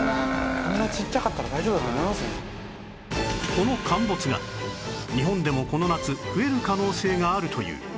この陥没が日本でもこの夏増える可能性があるという